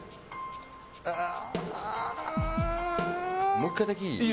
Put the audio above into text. もう１回だけいい？